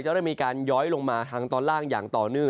เริ่มมีการย้อยลงมาทางตอนล่างอย่างต่อเนื่อง